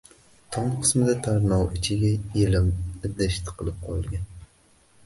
Tom qismida tarnov ichiga yelim idish tiqilib qolgan.